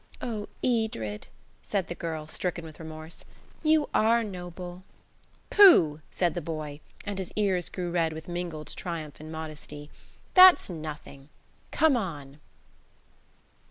"Oh, Edred," said the girl, stricken with remorse, "you are noble." "Pooh!" said the boy, and his ears grew red with mingled triumph and modesty; "that's nothing. Come on."